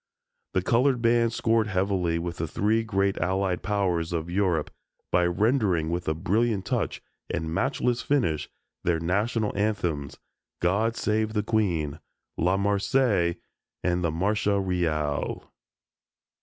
The colored bands scored heavily with the three great Allied Powers of Europe by rendering with a brilliant touch and matchless finish their national anthems, "God Save the Queen," "La Marseillaise" and the "Marcia Reale."